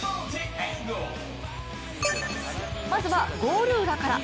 まずはゴール裏から。